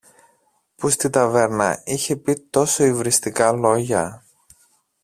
που στην ταβέρνα είχε πει τόσο υβριστικά λόγια